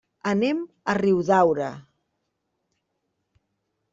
Anem a Riudaura.